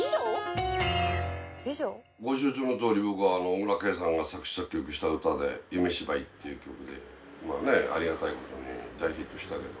ご承知のとおり僕は小椋佳さんが作詞作曲した歌で『夢芝居』っていう曲でありがたい事に大ヒットしたけど。